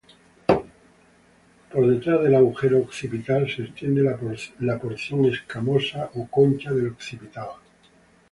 Por detrás del agujero occipital se extiende la porción escamosa o concha del occipital.